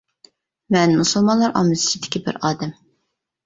مەن مۇسۇلمانلار ئاممىسى ئىچىدىكى بىر ئادەم.